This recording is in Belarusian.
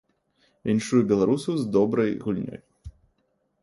Віншую беларусаў з добрай гульнёй.